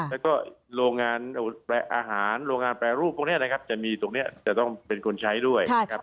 แล้วก็โรงงานอาหารโรงงานแปรรูปตรงนี้นะครับจะมีตรงนี้จะต้องเป็นคนใช้ด้วยนะครับ